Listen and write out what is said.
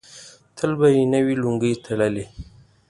تل به یې نوې لونګۍ تړلې.